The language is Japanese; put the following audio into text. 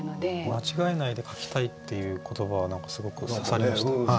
間違えないで書きたいっていう言葉は何かすごく刺さりましたね。